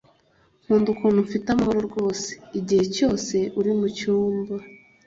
nkunda ukuntu mfite amahoro rwose igihe cyose uri mucyumba